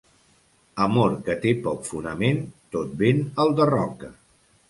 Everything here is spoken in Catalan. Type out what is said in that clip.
Amor que té poc fonament, tot vent el derroca.